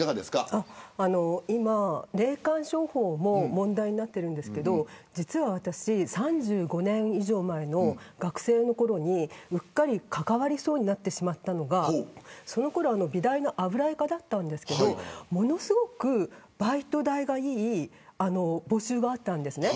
今、霊感商法も問題になっているんですけど実は私３５年以上前の学生のころにうっかり関わりそうになってしまったのがそのころ美大の油絵科だったんですけどものすごくバイト代がいい募集があったんですね。